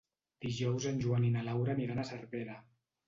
Dijous en Joan i na Laura aniran a Cervera.